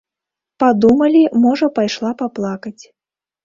Падумалі, можа, пайшла паплакаць.